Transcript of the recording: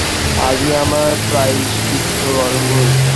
আজই আমার প্রায়শ্চিত্ত আরম্ভ হয়েছে।